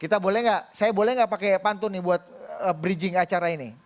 kita boleh nggak saya boleh nggak pakai pantun nih buat bridging acara ini